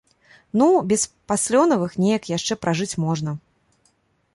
Ну, без паслёнавых неяк яшчэ пражыць можна.